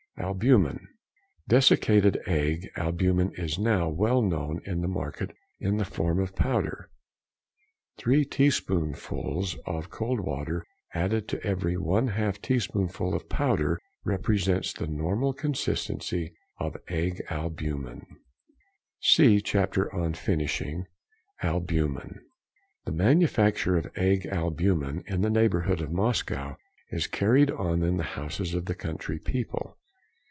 Albumen.—Desiccated egg albumen is now well known in the market in the form of powder. Three teaspoonfuls of cold water added to every 1/2 teaspoonful of powder represents the normal consistency of egg albumen. See Chapter on Finishing—"Albumen." The manufacture of egg albumen in the neighbourhood of Moscow is carried on in the houses of the country people.